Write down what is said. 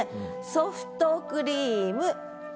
「ソフトクリーム」「と」